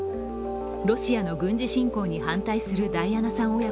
ロシアの軍事侵攻に反対するダイアナさん